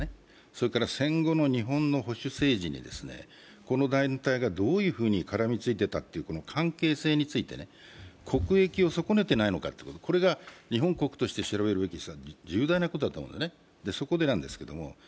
それから戦後の日本の保守政治にこの団体がどう絡みついていたのかの関係性について、国益を損ねていないということ、これが日本国として重大なことだと思うんです。